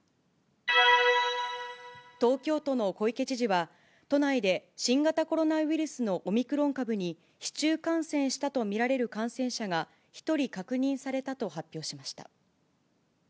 東京都の小池知事は、都内で新型コロナウイルスのオミクロン株に市中感染したと見られる感染者が、１人確認されたと発表しました。